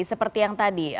seperti yang tadi